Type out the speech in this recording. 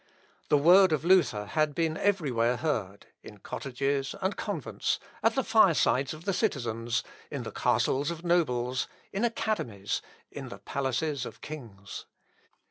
The word of Luther had been every where heard, in cottages, and convents, at the firesides of the citizens, in the castles of nobles, in academies, and in the palaces of kings.